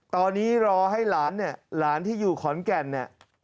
ตอนนี้รอให้หลานเนี่ยหลานที่อยู่ขอนแก่นเนี่ย